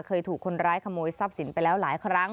เคยถูกคนร้ายขโมยทรัพย์สินไปแล้วหลายครั้ง